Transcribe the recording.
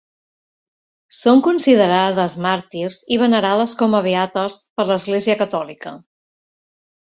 Són considerades màrtirs i venerades com a beates per l'Església Catòlica.